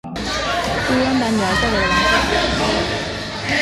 朱温把女儿嫁给了王昭祚。